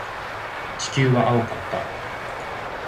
地球は青かった。